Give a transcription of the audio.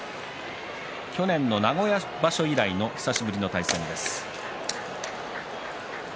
去年の名古屋場所以来の久しぶりの対戦です。